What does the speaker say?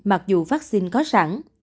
mặc dù vaccine có sẵn